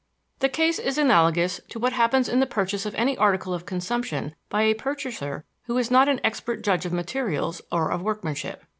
The case is analogous to what happens in the purchase of any article of consumption by a purchaser who is not an expert judge of materials or of workmanship.